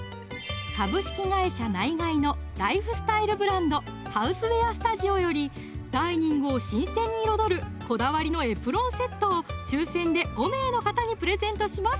ナイガイのライフスタイルブランド「ＨＯＵＳＥＷＥＡＲＳＴＵＤＩＯ」よりダイニングを新鮮に彩るこだわりのエプロンセットを抽選で５名の方にプレゼントします